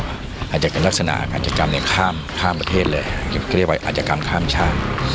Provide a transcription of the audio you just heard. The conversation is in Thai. วาดละจะลักษณะอาจจะกำาลังข้ามผ้าประเทศเลยเขียวไปอาจจะการข้ามชาติ